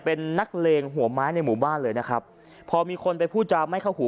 เป็นนักเลงหัวไม้ในหมู่บ้านเลยนะครับพอมีคนไปพูดจาไม่เข้าหู